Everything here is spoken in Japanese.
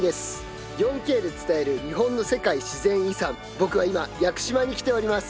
僕は今屋久島に来ております。